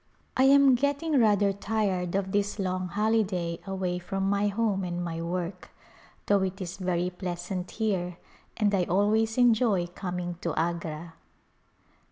I am getting rather tired of this long holiday away from my home and my work, though it is very pleas ant here and I always enjoy coming to Agra.